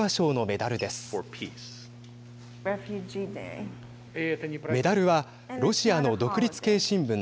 メダルはロシアの独立系新聞